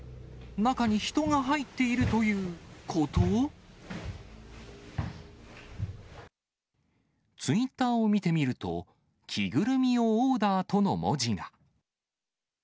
中に人が入っている、ツイッターを見てみると、着ぐるみをオーダーとの文字が。